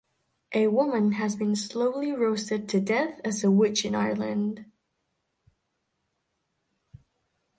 A woman has been slowly roasted to death as a witch in Ireland.